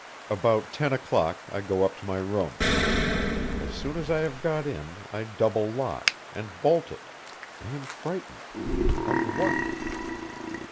About ten o'clock I go up to my room. As soon as I have got in I double lock, and bolt it: I am frightened of what?